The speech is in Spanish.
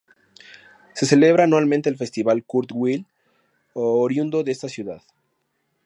Se celebra anualmente el Festival Kurt Weill, oriundo de esa ciudad.